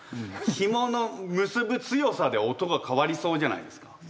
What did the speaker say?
ひもの結ぶ強さで音が変わりそうじゃないですか。